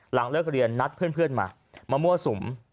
หลังเลิกเรียนนัดเพื่อนมามามั่วสุม